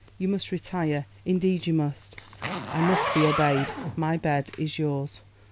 You must retire; indeed you must. I must be obeyed. My bed is yours.